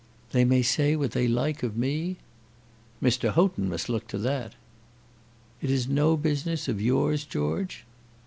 "They may say what they like of me?" "Mr. Houghton must look to that." "It is no business of yours, George?"